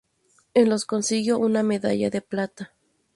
En los consiguió una medalla de plata.